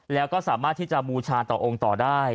แล้วก็สามารถที่จะบูชาต่อองค์ต่อได้